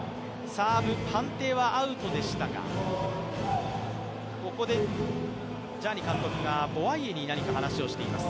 サーブ、判定はアウトでしたが、ここでジャーニ監督がボワイエに何か話をしています。